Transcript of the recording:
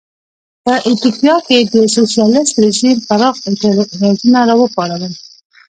په ایتوپیا کې د سوسیالېست رژیم پراخ اعتراضونه را وپارول.